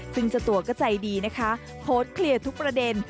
ซึ่งเจ้าตัวก็ใจดีนะคะโพสต์เคลียร์ทุกประเด็น